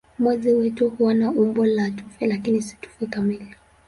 Mwezi wetu huwa na umbo la tufe lakini si tufe kamili.